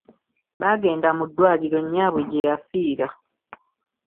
Baagenda nu ddwaliro nyaabwe gye yafiira!